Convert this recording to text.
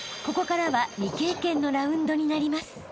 ここからは未経験のラウンドになります］